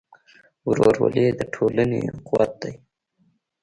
ورورولي د ټولنې قوت دی.